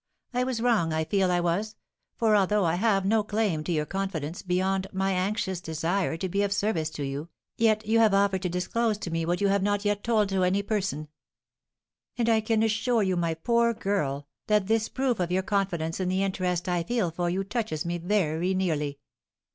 I was wrong, I feel I was, for, although I have no claim to your confidence beyond my anxious desire to be of service to you, yet you have offered to disclose to me what you have not yet told to any person; and I can assure you, my poor girl, that this proof of your confidence in the interest I feel for you touches me very nearly.